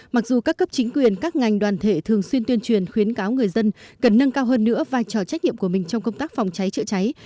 mặc dù các cấp chính quyền các ngành đoàn thể thường xuyên tuyên truyền khuyến cáo người dân cần nâng cao hơn nữa vai trò trách nhiệm của mình trong công tác phòng cháy chữa cháy